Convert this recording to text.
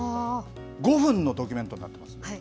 ５分のドキュメントになっています。